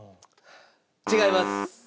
違います。